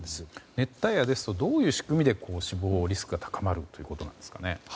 熱帯夜ですとどういう仕組みで死亡リスクが高まるということなんですかね。